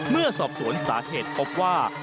เมื่อสอบสวนสาเหตุพบว่า